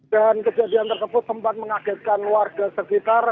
dan kejadian tersebut tempat mengagetkan warga sekitar